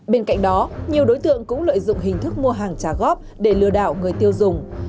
bên cạnh đó nhiều đối tượng cũng lợi dụng hình thức mua hàng trả góp để lừa đảo người tiêu dùng